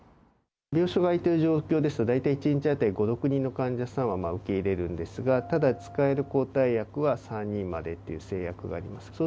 病床が空いている状況ですと、大体１日当たり５、６人の患者さんは受け入れるんですが、ただ、使える抗体薬は３人までという制約があります。